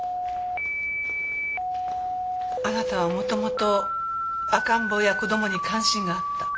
あなたは元々赤ん坊や子供に関心があった。